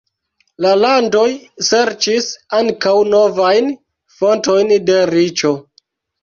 La landoj serĉis ankaŭ novajn fontojn de riĉo.